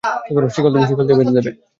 শিকল দিয়ে বেঁধে দেবে।